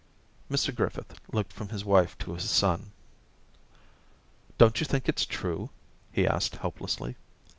* 228 Orientations Mr Griffith looked from his wife to his son. * Don't you think it's true?' he asked helplessly.